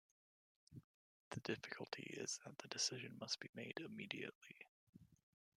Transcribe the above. The difficulty is that the decision must be made immediately.